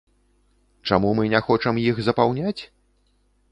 Чаму мы не хочам іх запаўняць?